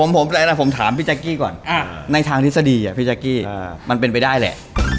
ผมถามพี่จักรก่อนในทางทฤษฎีพี่จักรมันเป็นไปได้แหละ